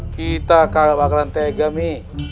kita kagak bakalan tega mi